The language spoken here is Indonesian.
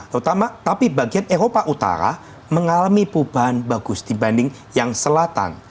terutama tapi bagian eropa utara mengalami perubahan bagus dibanding yang selatan